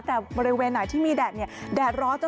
แต่บริเวณไหนที่มีแดดเนี่ยแดดร้อน